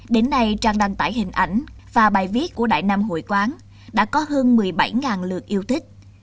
đến nay trang đăng tải hình ảnh và bài viết của đại nam hội quán đã có hơn một mươi bảy lượt yêu thích